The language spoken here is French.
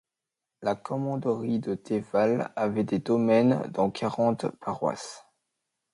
La commanderie de Thévalle avait des domaines dans quarante paroisses.